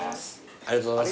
ありがとうございます。